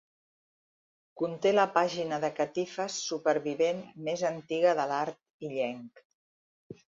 Conté la pàgina de catifes supervivent més antiga de l'art illenc.